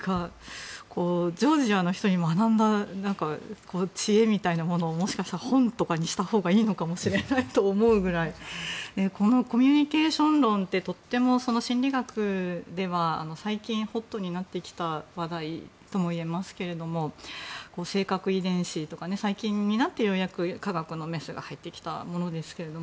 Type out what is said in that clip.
ジョージアの人に学んだ知恵みたいなものを本とかにしたほうがいいのかもしれないと思うくらいこのコミュニケーション論ってとても心理学では最近、ホットになってきた話題とも言えますけど性格遺伝子とか最近になってようやく科学のメスが入ってきたものですけど。